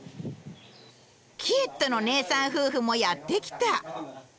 キエットの姉さん夫婦もやって来た。